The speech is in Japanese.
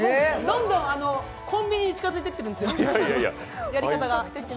どんどん、コンビニに近づいていってるんですよ、やり方が。